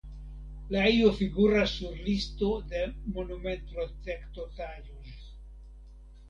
La ejo figuras sur listo de monumentprotektotaĵoj.